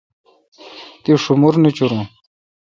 تی ݭومر نوچورون۔